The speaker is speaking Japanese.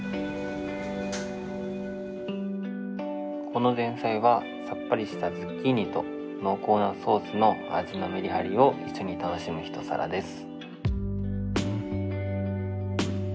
この前菜はさっぱりしたズッキーニと濃厚なソースの味のメリハリを一緒に楽しむ一皿です